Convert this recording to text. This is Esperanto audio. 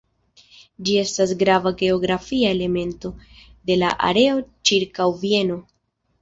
Ĝi estas grava geografia elemento de la areo ĉirkaŭ Vieno.